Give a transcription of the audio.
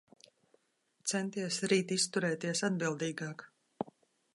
Centies rīt izturēties atbildīgāk.